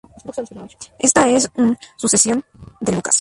Esta es un sucesión de Lucas.